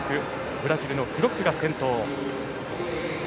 ブラジルのグロックが先頭。